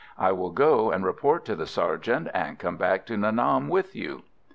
I will go and report to the sergeant, and come back to Nha Nam with you."